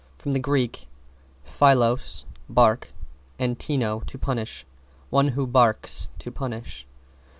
From Grk. phloios, bark, and tino, to punish. One who barks to punish.